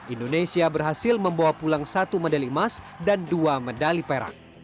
indonesia berhasil membawa pulang satu medali emas dan dua medali perak